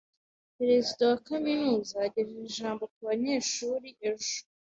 Perezida wa kaminuza yagejeje ijambo ku banyeshuri ejo.